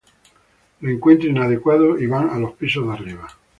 Lo encuentran "inadecuado" y van a los pisos de arriba.